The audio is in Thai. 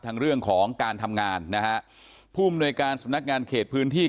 เรื่องของการทำงานนะฮะผู้อำนวยการสำนักงานเขตพื้นที่